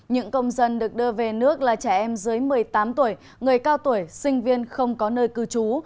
những công dân được đưa về nước là trẻ em dưới một mươi tám tuổi người cao tuổi sinh viên không có nơi cư trú